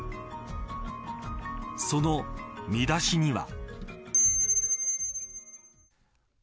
その見出しには。